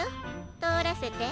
とおらせて。